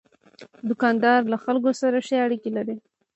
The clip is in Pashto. دوکاندار له خلکو سره ښې اړیکې لري.